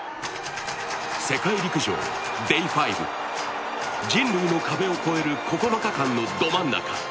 世界陸上ＤＡＹ５、人類の壁を越える９日間のど真ん中。